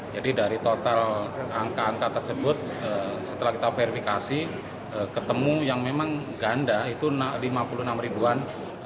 jadi dari total angka angka tersebut setelah kita verifikasi ketemu yang memang ganda itu lima puluh enam an